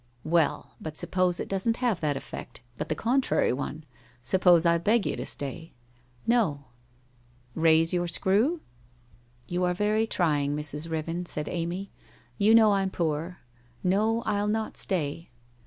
' Well, but suppose it doesn't have that effect, but the contrary one ? Suppose I beg you to stay ?' 'No/ ' Raise your screw ?' WHITE ROSE OF WEARY LEAF 49 ' You are very trying, Mrs. Riven,' said Amy. ' You know I'm poor. No, I'll not stay.'